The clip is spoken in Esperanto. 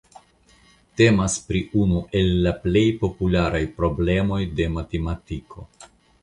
Temas pri unu el la plej popularaj problemoj de matematiko.